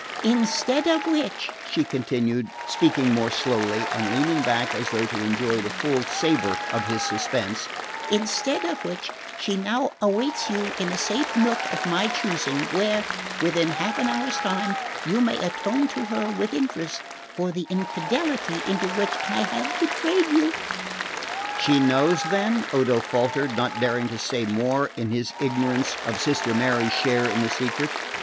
Instead of which," she continued, speaking more slowly, and leaning back as though to enjoy the full savour of his suspense, "instead of which she now awaits you in a safe nook of my choosing, where, within half an hour's time, you may atone to her with interest for the infidelity into which I have betrayed you." "She knows, then?" Odo faltered, not daring to say more in his ignorance of Sister Mary's share in the secret.